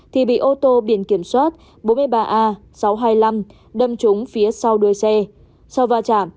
thì bị ô tô biển kiểm soát bốn mươi ba a sáu trăm hai mươi năm đâm trúng phía sau đuôi xe sau va chạm